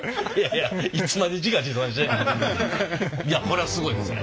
いやいやこれはすごいですね。